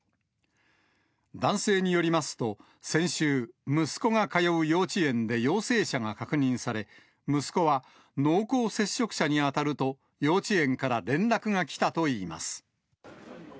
男性によりますと、先週、息子が通う幼稚園で陽性者が確認され、息子は濃厚接触者に当たると、幼稚園から連絡が来たといいます。